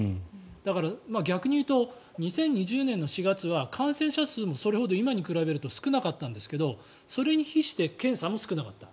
だから、逆に言うと２０２０年４月は感染者数もそれほど今に比べると少なかったんですがそれに比して検査も少なかった。